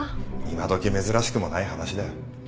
今どき珍しくもない話だよ